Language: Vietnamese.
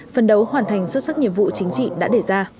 phần đấu hoàn thành xuất sắc nhiệm vụ chính trị đã đề ra